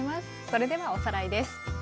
それではおさらいです。